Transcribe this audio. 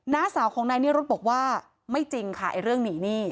้าสาวของนายนิรุธบอกว่าไม่จริงค่ะไอ้เรื่องหนีหนี้